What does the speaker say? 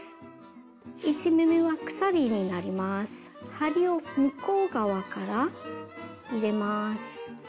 針を向こう側から入れます。